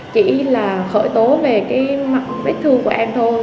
chỉ là khởi tố về cái mặt vết thương của em thôi